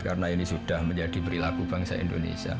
karena ini sudah menjadi perilaku bangsa indonesia